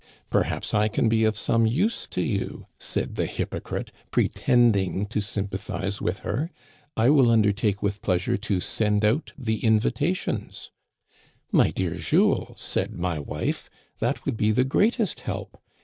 Perhaps I can be of some use to you,' said the hypocrite, pretending to sympathize with her. * I will undertake with pleasure to send out the invitations.* "* My dear Jules,' said my wife, * that would be the greatest help.